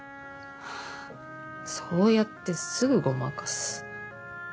ハァそうやってすぐごまかす。